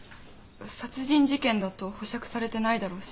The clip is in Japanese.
殺人事件だと保釈されてないだろうし。